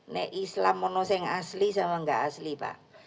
nek islam itu yang asli sama nggak asli pak